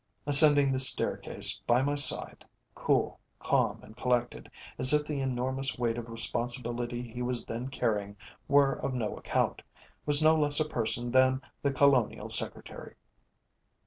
Ascending the staircase by my side, cool, calm and collected, as if the enormous weight of responsibility he was then carrying were of no account, was no less a person than the Colonial Secretary.